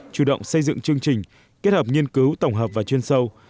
chủ động xây dựng chương trình kết hợp nghiên cứu tổng hợp và chuyên sâu